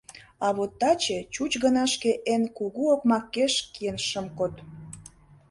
А вот таче чуч гына шке эн кугу окмакеш киен шым код.